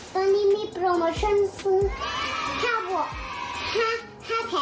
ตอนนี้มีโปรโมชั่นซื้อ๕แถม๖นะคะ